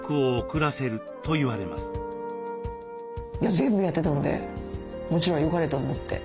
全部やってたのでもちろんよかれと思って。